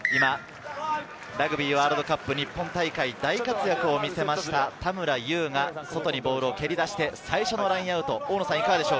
ラグビーワールドカップ日本大会、大活躍を見せました、田村優が外にボールを蹴り出して最初のラインアウト。